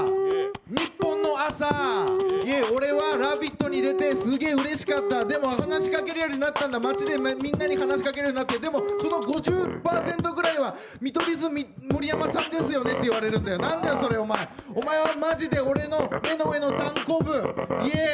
ニッポンの朝、俺は「ラヴィット！」に出てすげぇうれしかった、でも話しかけられるようになったんだ街でみんなに話しかけられるようになってでもその５０％ぐらいは見取り図盛山さんですよねって言われるなんだよ、それお前、目の上のたんこぶ、イエー。